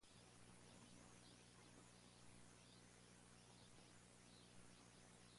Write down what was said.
Su madre fue una de las refugiadas de Winnipeg en la Guerra Civil Española.